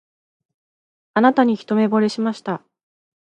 あなたに一目ぼれしました